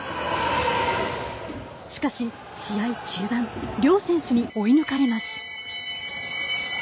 しかし試合中盤梁選手に追い抜かれます。